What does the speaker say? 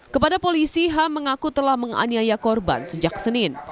kepada polisi h mengaku telah menganiaya kondisi